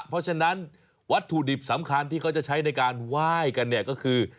เพราะฉะนั้นวัตถุดิบสำคัญที่เขาจะใช้ในการไหว้กันเนี่ยก็คือ